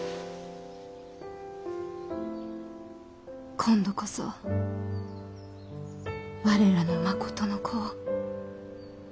今度こそ我らのまことの子を！